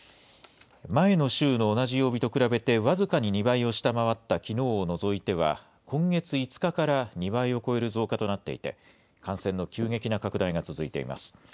前の週の同じ曜日と比べて、僅かに２倍を下回ったきのうを除いては、今月５日から、２倍を超える増加となっていて、感染の急激な拡大が続いています。